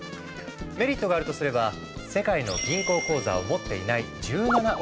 メリットがあるとすれば世界の銀行口座を持っていない１７億人もの人々。